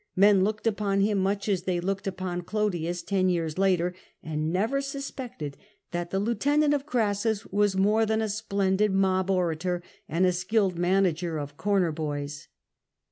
Men looked upon him much as they looked upon Olodius ten years later, and never suspected that the lieutenant of Orassus was more than a splendid mob orator and a skilled manager of corner boys.